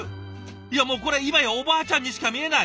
いやもうこれ今やおばあちゃんにしか見えない！